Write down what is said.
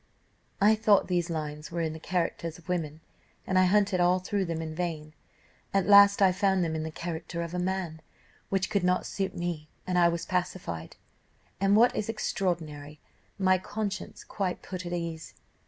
"I thought these lines were in the Characters of Women, and I hunted all through them in vain; at last I found them in the character of a man, which could not suit me, and I was pacified, and, what is extraordinary, my conscience quite put at ease.